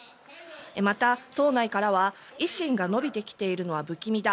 また、党内からは維新が伸びてきているのは不気味だ